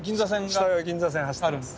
下は銀座線走ってます。